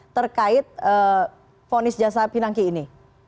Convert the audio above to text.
terkait ponis jasa pinangki ini